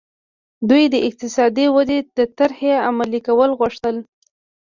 دوی د اقتصادي ودې د طرحې عملي کول غوښتل.